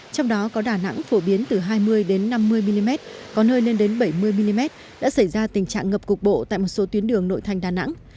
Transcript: trong đó có đà nẵng phổ biến từ hai mươi đến năm mươi mm có nơi lên đến bảy mươi mm đã xảy ra tình trạng ngập cục bộ tại một số tuyến đường nội thành đà nẵng